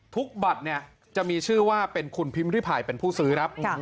บัตรเนี่ยจะมีชื่อว่าเป็นคุณพิมพิพายเป็นผู้ซื้อครับ